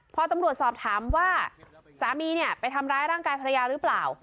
พอตำรวจสอบถามว่าสามีเนี่ยไปทำร้ายร่างกายภรรยาหรือเปล่า